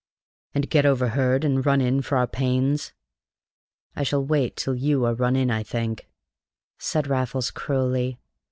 "And get overheard and run in for our pains? I shall wait till you are run in, I think," said Raffles cruelly.